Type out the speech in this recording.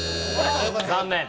残念。